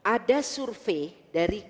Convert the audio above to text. ada survei dari